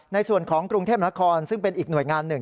ในส่วนของกรุงเทพนครซึ่งเป็นอีกหน่วยงานหนึ่ง